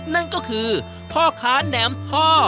นั่นก็คือพ่อค้าแหนมพ่อ